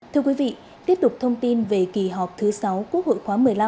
thưa quý vị tiếp tục thông tin về kỳ họp thứ sáu quốc hội khóa một mươi năm